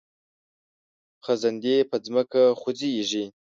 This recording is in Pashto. خزندې په ځمکه خوځیږي